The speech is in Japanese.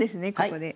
ここで。